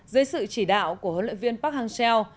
dưới sự chỉ đạo của huấn luyện viên park hang seo